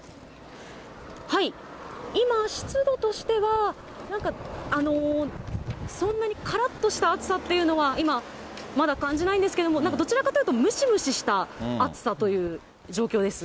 今、湿度としては、なんか、そんなに、からっとした暑さっていうのは今、まだ感じないんですけれども、どちらかというとムシムシした暑さという状況です。